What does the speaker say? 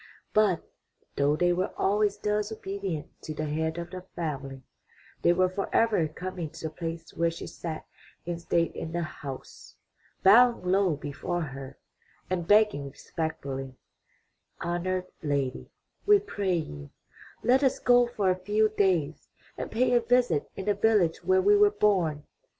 But, though they were always thus obedient to the head of the family, they were forever coming to the place where she sat in state in the house, bowing low before her and begging respectfully: ''Honored lady, we pray you, let us go for a few days and pay a visit in the village where we were born.''